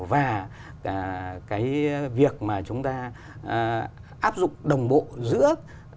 và cái việc mà chúng ta áp dụng đồng bộ giữa